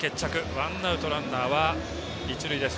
ワンアウト、ランナーは一塁です。